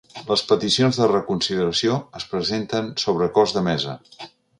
Les peticions de reconsideració es presenten sobre acords de mesa.